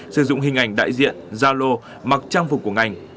sử dụng hình ảnh đại diện gia lô mặc trang phục của ngành